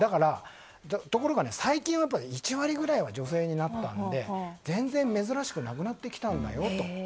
ところが最近は、１割ぐらいは女性になったので全然珍しくなくなってきたんだよと。